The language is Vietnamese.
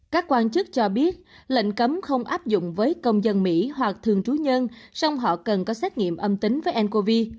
các quan chức cho biết lệnh cấm không áp dụng với công dân mỹ hoặc thường trú nhân xong họ cần có xét nghiệm âm tính với ncov